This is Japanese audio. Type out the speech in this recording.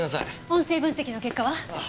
音声分析の結果は？